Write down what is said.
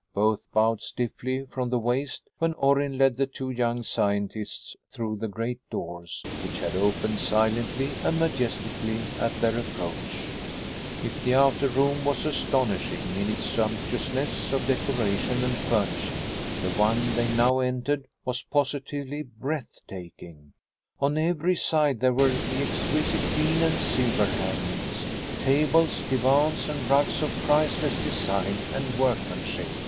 Both bowed stiffly from the waist when Orrin led the two young scientists through the great doors which had opened silently and majestically at their approach. If the outer room was astonishing in its sumptuousness of decoration and furnishing, the one they now entered was positively breath taking. On every side there were the exquisite green and silver hangings. Tables, divans, and rugs of priceless design and workmanship.